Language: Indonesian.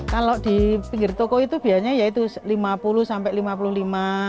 kalau di pinggir toko itu biasanya ya itu lima puluh sampai lima puluh lima